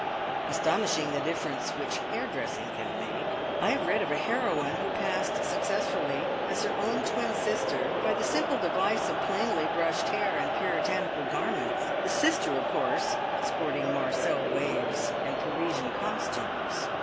Astonishing the difference which hair dressing can make! I have read of a heroine who passed successfully as her own twin sister by the simple device of plainly brushed hair and puritanical garments, the sister, of course, sporting marcelle waves and Parisian costumes.